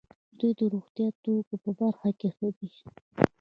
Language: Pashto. دوی د روغتیايي توکو په برخه کې ښه دي.